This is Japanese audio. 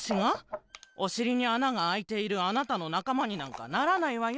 おしりにあながあいているあなたのなかまになんかならないわよ。